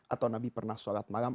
atau nabi pernah sholat malam